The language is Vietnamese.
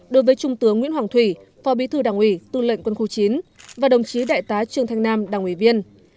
đối với trung tướng nguyễn hoàng thủy phó bí thư đảng ủy tư lệnh quân khu chín và đồng chí đại tá trương thanh nam đảng ủy viên